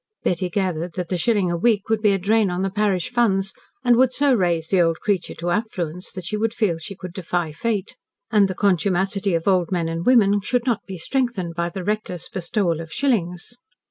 Betty gathered that the shilling a week would be a drain on the parish funds, and would so raise the old creature to affluence that she would feel she could defy fate. And the contumacity of old men and women should not be strengthened by the reckless bestowal of shillings.